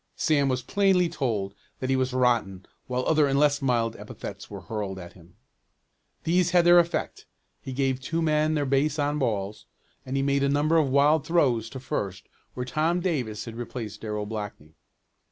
Sam was plainly told that he was "rotten" while other and less mild epithets were hurled at him. These had their effect. He gave two men their base on balls, and he made a number of wild throws to first where Tom Davis had replaced Darrell Blackney.